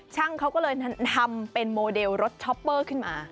ช่างเขาก็เลยทำเป็นโมเดลรถช็อปเปอร์ขึ้นมา